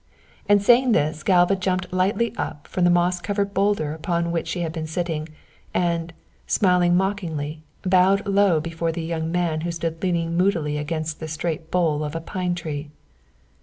And saying this, Galva jumped lightly up from the moss covered boulder upon which she had been sitting, and, smiling mockingly, bowed low before the young man who stood leaning moodily against the straight bole of a pine tree.